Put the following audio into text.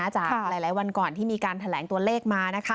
จากหลายวันก่อนที่มีการแถลงตัวเลขมานะคะ